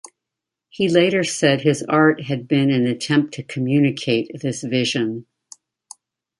He later said his art had been an attempt to communicate this vision.